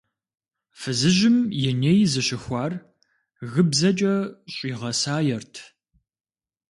Фызыжьым и ней зыщыхуар гыбзэкӏэ щӏигъэсаерт.